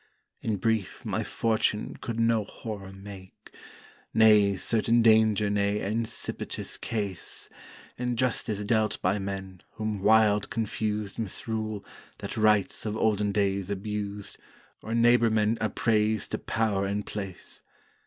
In brief my Fortune could no horror make, Ne certain danger ne ancipitous case (Injustice dealt by men, whom wild confused Misrule, that rights of olden days abused, O'er neighbour men upraised to power and place!)